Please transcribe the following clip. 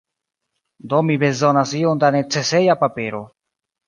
Do mi bezonas iom da neceseja papero.